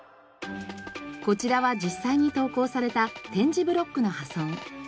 こちらは実際に投稿された点字ブロックの破損。